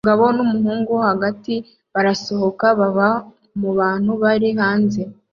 Umuhungu numugore wo hagati barasohoka bava mubantu bari hanze